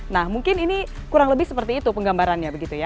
nah mungkin ini kurang lebih seperti itu penggambarannya begitu ya